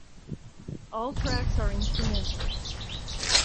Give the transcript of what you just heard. All tracks are instrumental.